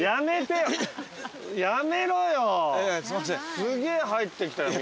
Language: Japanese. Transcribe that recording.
すげえ入ってきたよ水。